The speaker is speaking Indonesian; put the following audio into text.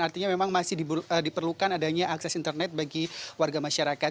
artinya memang masih diperlukan adanya akses internet bagi warga masyarakat